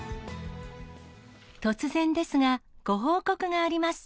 突然ですが、ご報告があります。